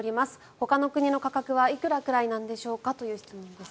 ほかの国の価格はいくらくらいなんでしょうかという質問です。